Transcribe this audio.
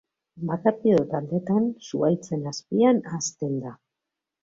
Bakarti edo taldetan, zuhaitzen azpian hazten da.